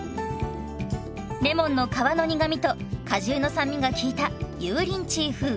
レモンの皮の苦みと果汁の酸味が効いた油淋鶏風。